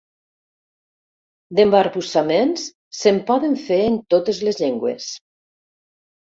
D'embarbussaments se'n poden fer en totes les llengües.